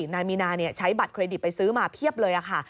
นายมีนาใช้บัตรเครดิตไปซื้อมาเพียบเลยค่ะ